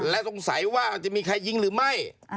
และสงสัยว่าอาจจะมีใครยิงหรือไม่